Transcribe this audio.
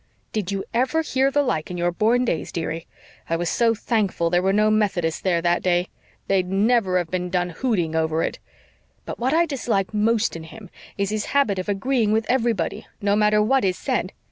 Did you ever hear the like in your born days, dearie? I was so thankful there were no Methodists there that day they'd never have been done hooting over it. But what I dislike most in him is his habit of agreeing with everybody, no matter what is said.